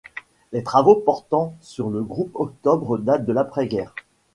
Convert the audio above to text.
Les travaux portant sur le groupe Octobre datent de l'après-guerre.